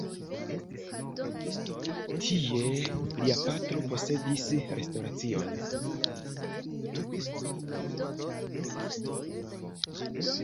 Tie lia patro posedis restoracion.